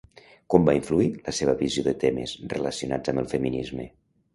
Com va influir la seva visió de temes relacionats amb el feminisme?